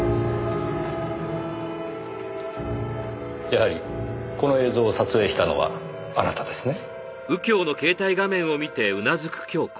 やはりこの映像を撮影したのはあなたですね？